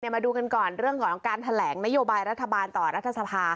มาดูกันก่อนเรื่องของการแถลงนโยบายรัฐบาลต่อรัฐสภา